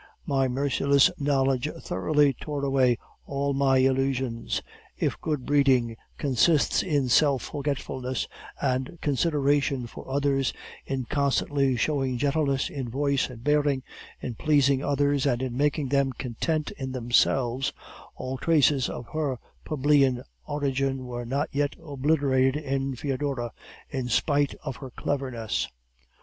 My merciless knowledge thoroughly tore away all my illusions. If good breeding consists in self forgetfulness and consideration for others, in constantly showing gentleness in voice and bearing, in pleasing others, and in making them content in themselves, all traces of her plebeian origin were not yet obliterated in Foedora, in spite of her cleverness.